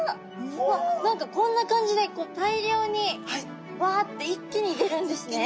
わっ何かこんな感じで大量にわって一気に出るんですね。